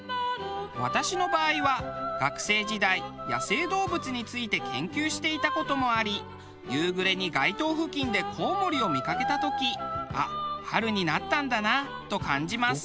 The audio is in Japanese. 私の場合は学生時代野生動物について研究していた事もあり夕暮れに街灯付近でコウモリを見かけた時あっ春になったんだなと感じます。